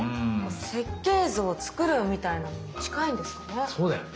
設計図を作るみたいなのに近いんですかね？